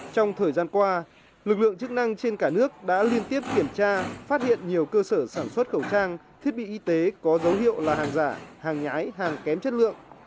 trong thời gian qua lực lượng chức năng trên cả nước đã liên tiếp kiểm tra phát hiện nhiều cơ sở sản xuất khẩu trang thiết bị y tế có dấu hiệu là hàng giả hàng nhái hàng kém chất lượng